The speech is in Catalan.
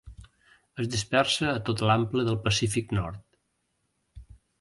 Es dispersa a tot l'ample del Pacífic nord.